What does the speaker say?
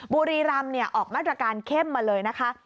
บุรีรำออกมาตรการเข้มมาเลยนะคะ